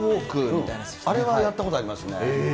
あれはやったことありますね。